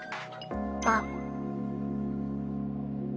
あっ。